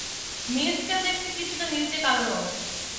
মিল scale দেখতে কিছুটা নীলচে কাল রঙের।